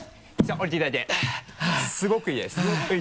おりていただいてすごくいいです。